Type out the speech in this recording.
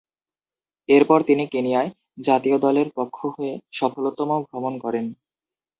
এরপর তিনি কেনিয়ায় জাতীয় দলের পক্ষ হয়ে সফলতম ভ্রমণ করেন।